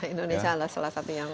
indonesia adalah salah satu yang